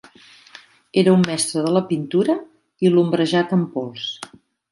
Era un mestre de la pintura i l'ombrejat amb pols.